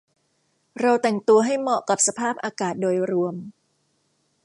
เราแต่งตัวให้เหมาะกับสภาพอากาศโดยรวม